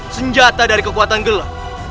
senjata dari kekuatan gelap